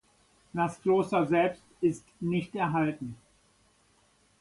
Das Kloster selbst ist nicht erhalten.